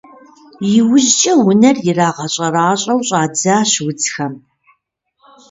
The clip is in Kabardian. Иужькӏэ унэр ирагъэщӏэращӏэу щӏадзащ удзхэм.